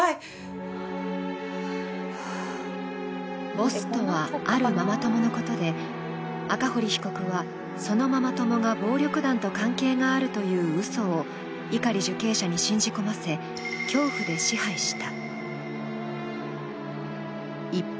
ボスとは、あるママ友のことで、赤堀被告はそのママ友が暴力団と関係があるといううそを碇受刑者に信じ込ませ、恐怖で支配した。